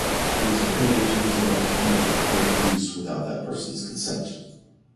It is prohibited to use another's image for commercial use without that person's consent.